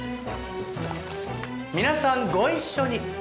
皆さんご一緒に。